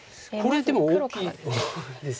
これでも大きいですよね。